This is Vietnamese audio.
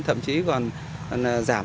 thậm chí còn giảm